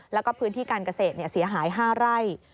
แล้วก็พื้นที่การเกษตรเสียหาย๕ไร่